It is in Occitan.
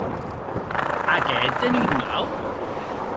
Ac è entenut mau?